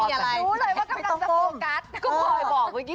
ไม่มีอะไรรู้เลยว่ากำลังจะโฟกัส